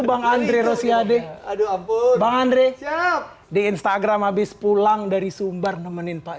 bang andre rosiade aduh ampun bang andre siap di instagram abis pulang dari sumbar nemenin pak